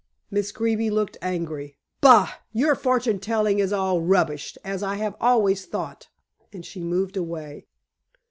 Miss Greeby looked angry. "Bah! Your fortune telling is all rubbish, as I have always thought," and she moved away.